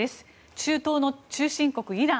中東の中心国、イラン。